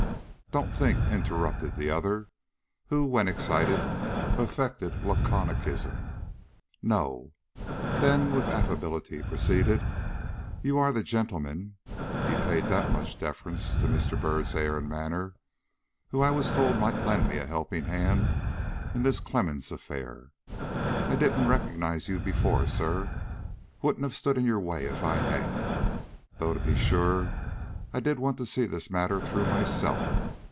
"Don't think," interrupted the other, who, when excited, affected laconicism, "know." Then, with affability, proceeded, "You are the gentleman " he paid that much deference to Mr. Byrd's air and manner, "who I was told might lend me a helping hand in this Clemmens affair. I didn't recognize you before, sir. Wouldn't have stood in your way if I had. Though, to be sure, I did want to see this matter through myself.